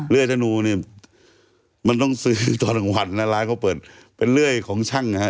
ื่อยธนูเนี่ยมันต้องซื้อตอนกลางวันแล้วร้านเขาเปิดเป็นเลื่อยของช่างนะฮะ